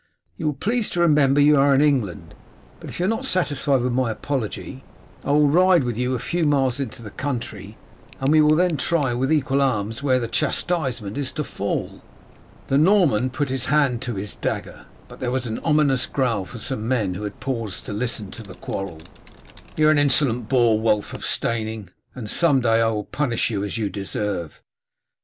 You will please to remember you are in England; but if you are not satisfied with my apology, I will ride with you a few miles into the country, and we will then try with equal arms where the chastisement is to fall." The Norman put his hand to his dagger, but there was an ominous growl from some men who had paused to listen to the quarrel. "You are an insolent boor, Wulf of Steyning, and some day I will punish you as you deserve."